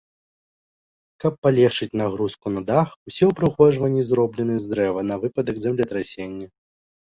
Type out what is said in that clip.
Каб палегчыць нагрузку на дах усе ўпрыгожванні зроблены з дрэва на выпадак землетрасення.